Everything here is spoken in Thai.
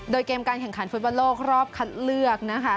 โดยเกมการแข่งขันฟุตบอลโลกรอบคัดเลือกนะคะ